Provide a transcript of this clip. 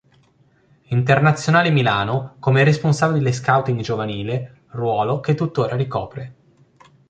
Internazionale Milano come responsabile Scouting Giovanile, ruolo che tuttora ricopre.